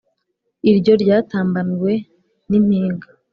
Iyo ryatambamiwe nimpinga